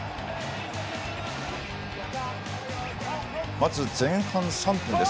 まず前半３分です。